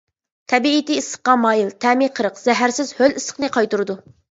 تەبىئىتى ئىسسىققا مايىل، تەمى قېرىق، زەھەرسىز، ھۆل ئىسسىقنى قايتۇرىدۇ.